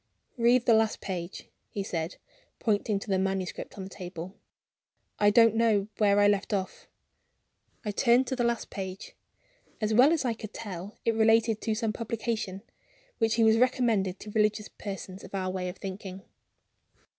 "Read the last page," he said, pointing to the manuscript on the table; "I don't remember where I left off." I turned to the last page. As well as I could tell, it related to some publication, which he was recommending to religious persons of our way of thinking.